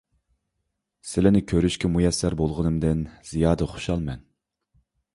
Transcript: سىلىنى كۆرۈشكە مۇيەسسەر بولغىنىمدىن زىيادە خۇشالمەن.